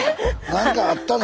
何かあったの？